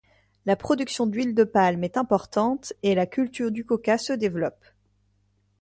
La production d'huile de palme est importante et la culture du coca se développe.